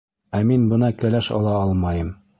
— Ә мин бына кәләш ала алмайым.